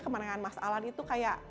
kemenangan mas alan itu kayak